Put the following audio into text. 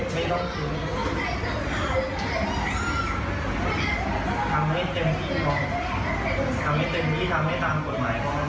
ไม่ต้องทิ้งทำให้เต็มที่พอทำให้เต็มที่ทำให้ตามกฎหมายพอ